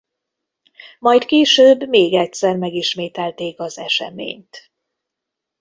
Majd később még egyszer megismételték az eseményt.